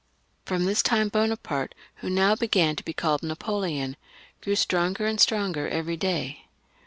From this time Bonaparte, who now began to be called Napoleon, grew stronger and stronger every day.